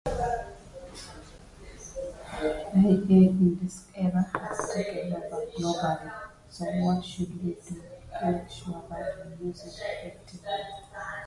Common machine-readable technologies include magnetic recording, processing waveforms, and barcodes.